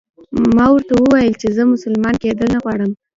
ما ورته وویل چې زه مسلمان کېدل نه غواړم.